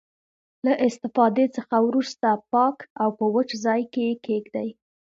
له استفادې څخه وروسته پاک او په وچ ځای کې یې کیږدئ.